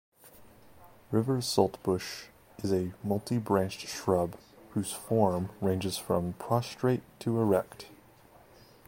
River saltbush is a multi-branched shrub whose form ranges from prostrate to erect.